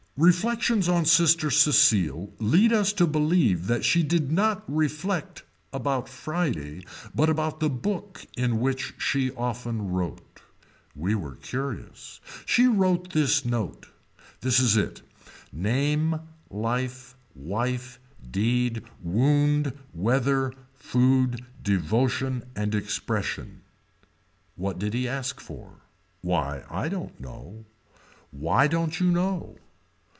Reflections on Sister Cecile lead us to believe that she did not reflect about Friday but about the book in which she often wrote. We were curious. She wrote this note. This is it. Name life, wife, deed, wound, weather, food, devotion, and expression. What did he ask for. Why I don't know. Why don't you know.